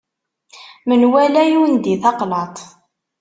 Menwala yundi taqlaḍt.